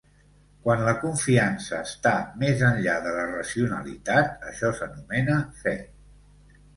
Quan la confiança està més enllà de la racionalitat, això s'anomena fe.